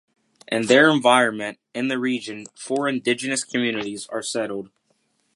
In their environment, in the region, four indigenous communities are settled.